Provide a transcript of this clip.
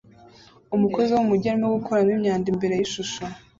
Umukozi wo mu mujyi arimo gukuramo imyanda imbere yishusho